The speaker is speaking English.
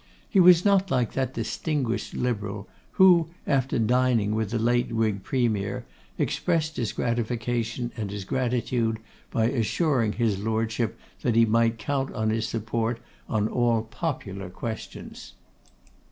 He was not like that distinguished Liberal, who, after dining with the late Whig Premier, expressed his gratification and his gratitude, by assuring his Lordship that he might count on his support on all popular questions.